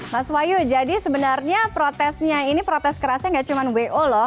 mas wahyu jadi sebenarnya protesnya ini protes kerasnya nggak cuma wo loh